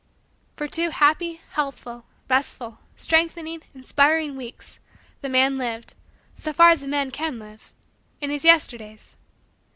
For two happy, healthful, restful, strengthening, inspiring weeks, the man lived, so far as a man can live, in his Yesterdays.